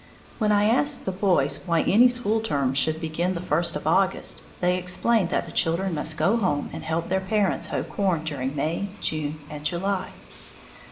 When I asked the boys why any school term should begin the first of August, they explained that the children must go home and help their parents hoe corn during May, June and July.